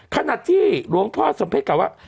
ขณะที่หลวงพ่อสมเพชรกล่าวว่า